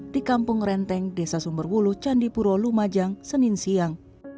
di kampung renteng desa sumberwulu candipuro lumajang senin siang